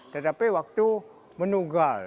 tetapi waktu menunggal